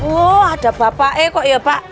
wah ada bapak kok ya pak